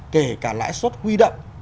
kể cả lãi suất huy động